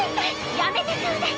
やめてちょうだい！